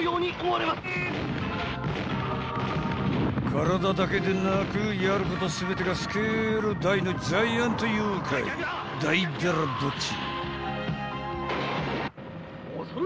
［体だけでなくやること全てがスケール大のジャイアント妖怪だいだらぼっち］